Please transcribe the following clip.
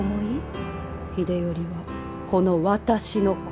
秀頼はこの私の子。